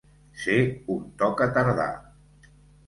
Ser un tocatardà.